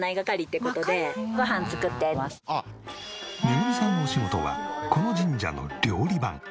めぐみさんのお仕事はこの神社の料理番。